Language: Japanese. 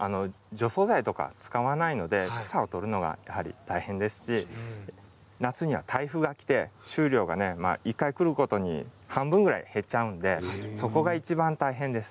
除草剤とか使わないので草を取るのがやはり大変ですし夏には台風が来て、収量が１回来るごとに半分ぐらい減っちゃうのでそこがいちばん大変です。